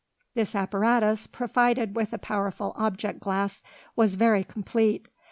This apparatus, provided with a powerful object glass, was very complete.